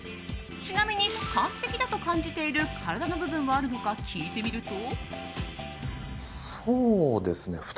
ちなみに、完璧だと感じている体の部分はあるのか聞いてみると。